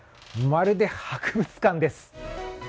まるで博物館です。